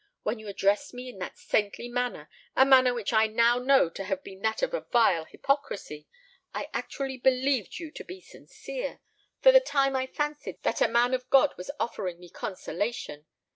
When you addressed me in that saintly manner—a manner which I now know to have been that of a vile hypocrisy—I actually believed you to be sincere; for the time I fancied that a man of God was offering me consolation.